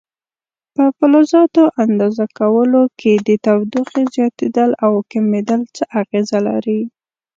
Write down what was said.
په فلزاتو اندازه کولو کې د تودوخې زیاتېدل او کمېدل څه اغېزه لري؟